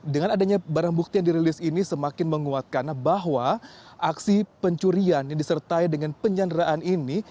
dengan adanya barang bukti yang dirilis ini semakin menguatkan bahwa aksi pencurian yang disertai dengan penyanderaan ini